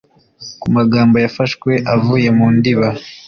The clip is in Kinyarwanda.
kumagambo yafashwe avuye mu ndiba